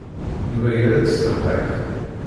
Yuba yerra-d s telqayt.